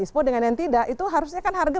expo dengan yang tidak itu harusnya kan harga